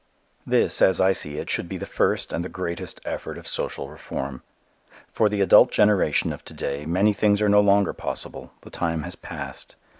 This, as I see it, should be the first and the greatest effort of social reform. For the adult generation of to day many things are no longer possible. The time has passed.